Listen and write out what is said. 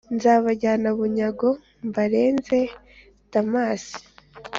Nzabajyana bunyago mbarenze Damasi!